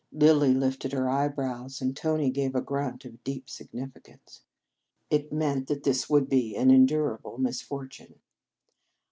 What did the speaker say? Lilly lifted her eyebrows, and Tony gave a grunt of deep significance. It meant that this would be an endurable misfortune.